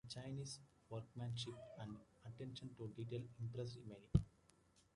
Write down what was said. The Chinese workmanship and attention to detail impressed many.